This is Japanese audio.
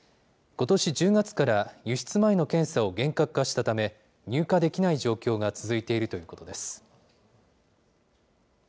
ことし１０月から輸出前の検査を厳格化したため、入荷できない状況が続いているということです。